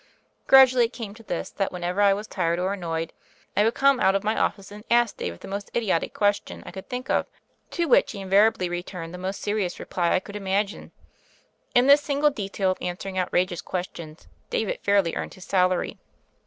Gradually it came to this, that whenever I was tired or annoyed, I would come out of my office and ask David the most idiotic question I could think of, to which he invariably re turned the most serious reply I could imagine. In this single detail of answering outrageous questions, David fairly earned his salary.